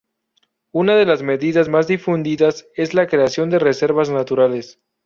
Una de las medidas más difundidas es la creación de reservas naturales.